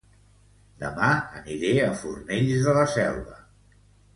Dema aniré a Fornells de la Selva